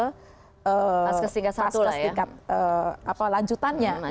faskes tingkat lanjutannya